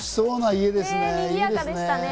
いいですね。